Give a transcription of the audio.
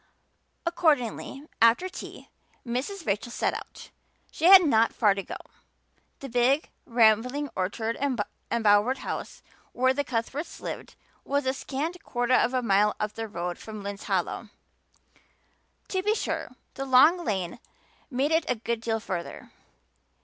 Accordingly after tea Mrs. Rachel set out; she had not far to go; the big, rambling, orchard embowered house where the Cuthberts lived was a scant quarter of a mile up the road from Lynde's Hollow. To be sure, the long lane made it a good deal further.